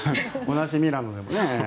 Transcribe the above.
同じミラノでも。